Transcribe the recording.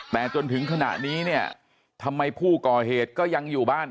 แต่จนถึงขณะนี้เนี่ยทำไมผู้ก่อเหตุก็ยังอยู่บ้าน